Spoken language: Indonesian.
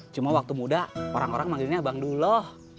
cuma waktu muda orang orang manggilnya bang duloh